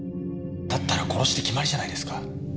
だったら殺しで決まりじゃないですか。